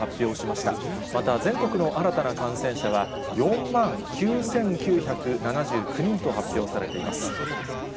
また全国の新たな感染者は、４万９９７９人と発表されています。